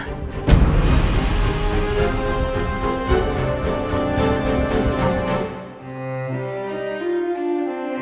kamu peluar sama riki